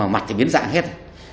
mặt thì biến dạng hết